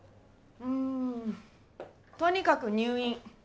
うーんとにかく入院。